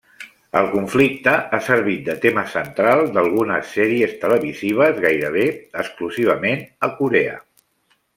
El conflicte ha servit de tema central d'algunes sèries televisives, gairebé exclusivament a Corea.